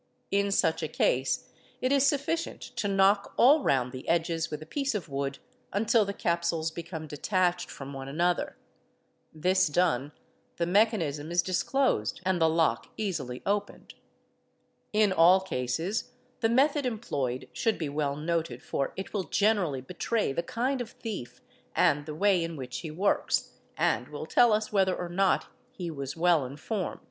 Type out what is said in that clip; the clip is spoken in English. In such a case it is sufficient to knock all round the edges with a piece of wood, until the capsules become — detached from one another. This done, the mechanism is disclosed and the lock easily opened. In all cases the method employed should ~ be well noted, for it will generally betray the kind of thief and he | way in which he works, and will tell us whether or' not he was well informed.